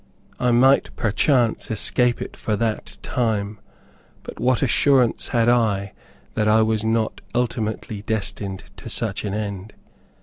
I might, perchance, escape it for that time, but what assurance had I that I was not ultimately destined to such an end?